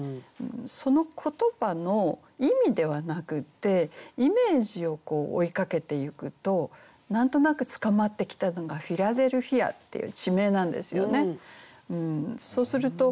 その言葉の意味ではなくってイメージを追いかけていくと何となく捕まってきたのがフィラデルフィアっていう地名なんですよね。